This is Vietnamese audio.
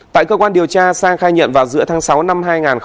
tại cơ quan điều tra sang khai nhận vào giữa tháng sáu năm hai nghìn hai mươi